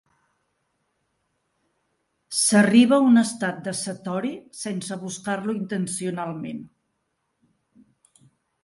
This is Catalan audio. S'arriba a un estat de satori sense buscar-lo intencionalment.